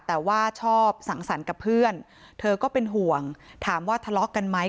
แต่ว่าชอบสังสรรค์กับเพื่อนเธอก็เป็นห่วงถามว่าทะเลาะกันไหม